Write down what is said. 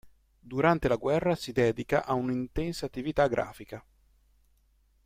Durante la guerra si dedica a un'intensa attività grafica.